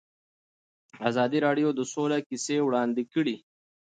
ازادي راډیو د سوله کیسې وړاندې کړي.